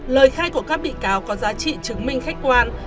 lời khai của các bị cáo có giá trị chứng minh khách quan